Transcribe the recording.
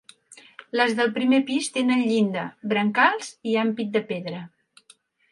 Les del primer pis tenen llinda, brancals i ampit de pedra.